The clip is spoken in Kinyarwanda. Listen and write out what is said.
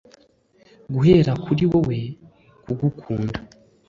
guhera kuri wewe kugukunda